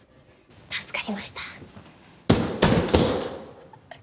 助かりました。